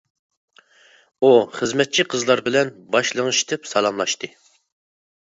ئۇ خىزمەتچى قىزلار بىلەن باش لىڭشىتىپ سالاملاشتى.